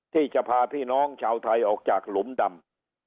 ที่จะพาพี่น้องชาวไทยออกจากหลุมดำ